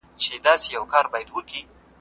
مړۍ وخوره